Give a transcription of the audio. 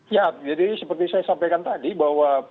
ya jadi seperti saya sampaikan tadi bahwa